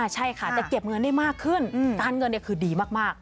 ใช่ค่ะจะเก็บเงินได้มากขึ้นการเงินคือดีมาก